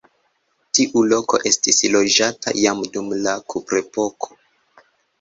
Tiu loko estis loĝata jam dum la kuprepoko.